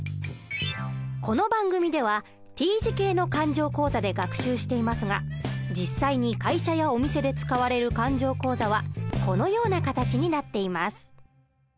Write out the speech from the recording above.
この番組ではＴ字形の勘定口座で学習していますが実際に会社やお店で使われる勘定口座はこのような形になっています。